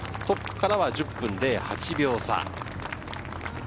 トップからは１０分０８秒差。